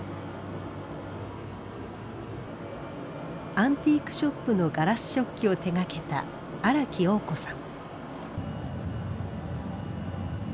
アンティークショップのガラス食器を手がけた荒木桜子さん。